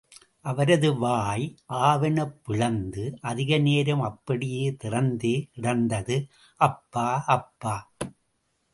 அவரது வாய் ஆ வெனப் பிளந்து, அதிக நேரம் அப்படியே திறந்தே கிடந்தது. அப்பா அப்பா!